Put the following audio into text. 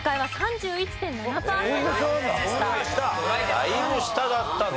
だいぶ下だったと。